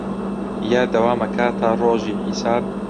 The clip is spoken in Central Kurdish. یا دەوام ئەکا تا ڕۆژی حیساب